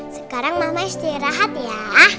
sekarang mama istirahat ya